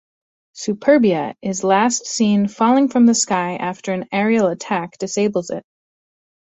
Superbia is last seen falling from the sky after an aerial attack disables it.